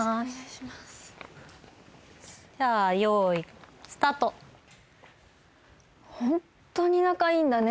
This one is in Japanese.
じゃあ用意スタートホントに仲いいんだね